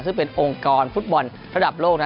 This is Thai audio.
ซึ่งเป็นองค์กรฟุตบอลระดับโลกนะ